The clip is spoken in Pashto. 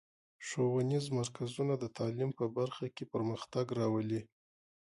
ښوونیز مرکزونه د تعلیم په برخه کې پرمختګ راولي.